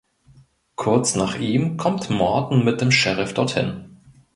Kurz nach ihm kommt Morton mit dem Sheriff dorthin.